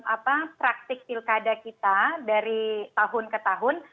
apa praktik pilkada kita dari tahun ke tahun